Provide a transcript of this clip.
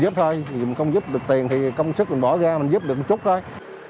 giúp thôi mình không giúp được tiền thì công sức mình bỏ ra mình giúp được một chút thôi